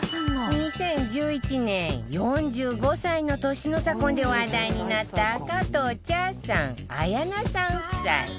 ２０１１年４５歳の年の差婚で話題になった加藤茶さん綾菜さん夫妻